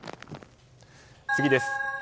次です。